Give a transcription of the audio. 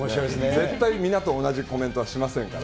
絶対みんなと同じコメントはしませんから。